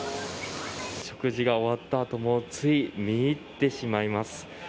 食事が終わったあともつい見入ってしまいます。